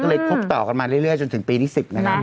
ก็เลยคบต่อกันมาเรื่อยจนถึงปีที่๑๐นะครับ